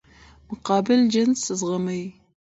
مقابل جنس زغمي.